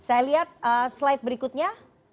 saya lihat slide berikutnya